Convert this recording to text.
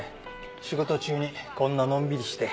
仕事中にこんなのんびりして。